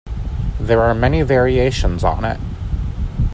There are many variations on it.